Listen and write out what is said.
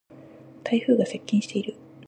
台風が接近している。